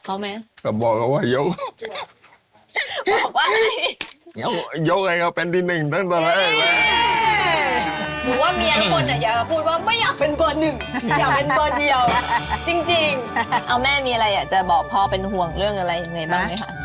เอาแม่มีอะไรจะบอกพ่อเป็นห่วงเรื่องอะไรอย่างไรบ้างไหมคะ